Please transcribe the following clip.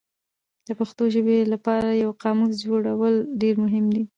د پښتو ژبې لپاره یو قاموس جوړول ډېر مهم دي.